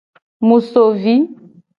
Mu so vi.